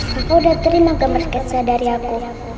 kau udah terima gambar kisah dari aku